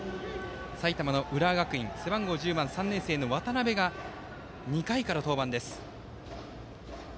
埼玉の浦和学院背番号１０番、３年生の渡邉が、２回から登板です。